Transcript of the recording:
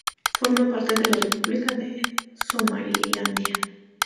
Forma parte de la República de Somalilandia.